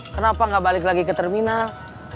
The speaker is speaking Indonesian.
kenapa nggak balik lagi ke terminal